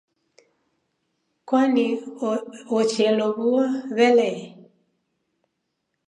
Kwani wocheluw'ua w'ele.